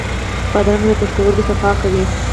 بادرنګ د پښتورګو صفا کوي.